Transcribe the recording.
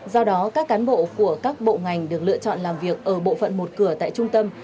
do đó các cán bộ của các bộ ngành được lựa chọn làm việc ở bộ phận một cửa tại trung tâm